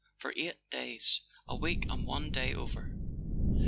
.. for eight days: a week and one day over!"